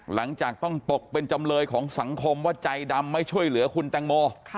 หลังจากต้องตกเป็นจำเลยของสังคมว่าใจดำไม่ช่วยเหลือคุณแตงโม